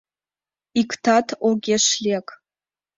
Иктат огеш лек.